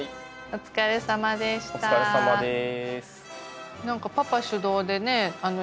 お疲れさまです。